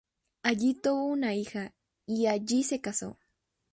Allí tuvo una hija y allí se casó.